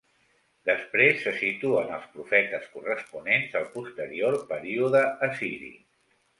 Després se situen els profetes corresponents al posterior període assiri: